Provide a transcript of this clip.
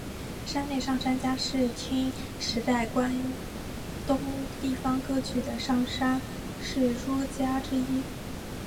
山内上杉家是室町时代在关东地方割据的上杉氏诸家之一。